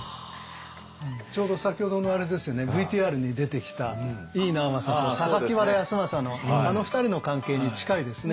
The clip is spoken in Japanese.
ちょうど先ほどのあれですよねＶＴＲに出てきた井伊直政と原康政のあの２人の関係に近いですね。